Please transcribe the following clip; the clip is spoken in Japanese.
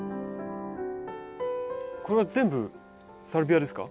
これは全部サルビアですか？